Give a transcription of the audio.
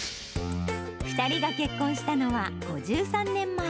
２人が結婚したのは５３年前。